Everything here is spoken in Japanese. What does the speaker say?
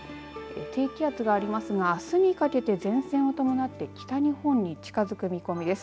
低気圧がありますがあすにかけて前線を伴って北日本に近づく見込みです。